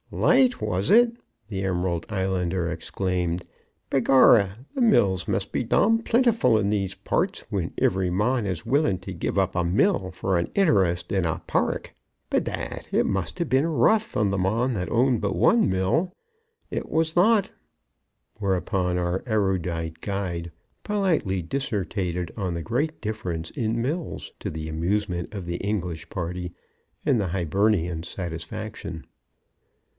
"Light was it!" the Emerald Islander exclaimed. "Begorry! mills must be dom plintiful in these parts, whin every mon is willin' to give uup a mill for an interist in a parruk. Be dad! it must ha' been rough on th' mon that owned but one mill. It was thot!" Whereupon our erudite guide politely dissertated on the great difference in mills, to the amusement of the English party and the Hibernian's satisfaction.